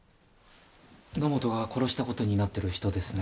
野本が殺した事になっている人ですね。